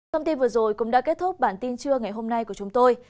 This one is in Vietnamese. thông tin vừa rồi cũng đã kết thúc bản tin trưa ngày hôm nay của chúng tôi